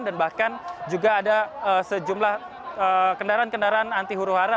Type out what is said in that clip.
dan bahkan juga ada sejumlah kendaraan kendaraan anti huru hara